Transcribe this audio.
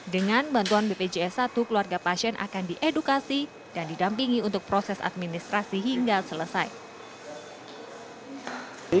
dengan bantuan bpjs satu keluarga pasien akan diedukasi dan didampingi untuk proses administrasi hingga selesai